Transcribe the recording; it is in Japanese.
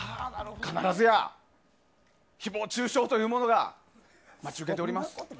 必ずや、誹謗中傷というものが待ち受けております。